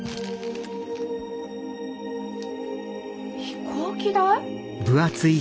飛行機代？